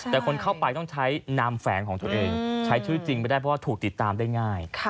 แต่คนเข้าไปต้องใช้นามแฝงของตัวเองใช้ชื่อจริงไม่ได้เพราะว่าถูกติดตามได้ง่าย